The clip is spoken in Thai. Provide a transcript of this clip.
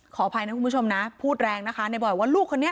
ขออภัยนะคุณผู้ชมนะพูดแรงนะคะในบอยว่าลูกคนนี้